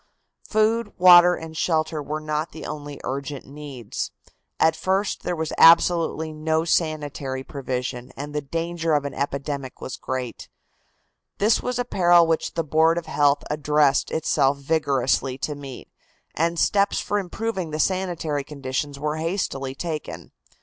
Food, water and shelter were not the only urgent needs. At first there was absolutely no sanitary provision, and the danger of an epidemic was great. This was a peril which the Board of Health addressed itself vigorously to meet, and steps for improving the sanitary conditions were hastily taken.